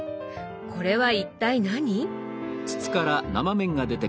これは一体何？